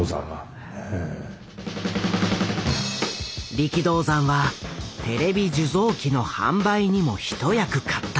力道山はテレビ受像機の販売にも一役買った。